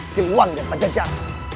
si luang dan pajajar